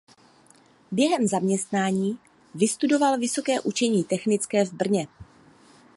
Během zaměstnání vystudoval Vysoké učení technické v Brně.